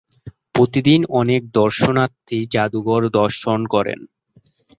প্রতিদিন অনেক দর্শনার্থী জাদুঘর দর্শন করেন।